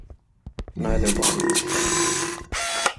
Neither body was found.